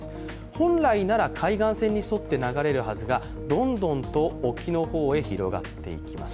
本来なら海岸線に沿って流れるはずがどんどんと沖の方へ広がっていきます。